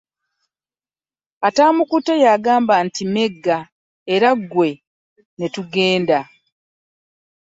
Atamukutte yagamba nti ,”Megga eri gwe ne tugenda.'